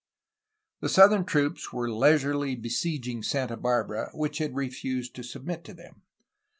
The southern troops were leisurely besieging Santa Bar bara, which had refused to submit to them.